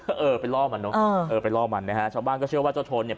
ก็เออไปล่อมันเนอะเออเออไปล่อมันนะฮะชาวบ้านก็เชื่อว่าเจ้าโทนเนี่ย